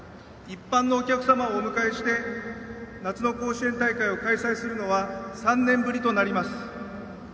一般のお客様をお迎えして夏の甲子園大会を開催するのは３年ぶりとなります。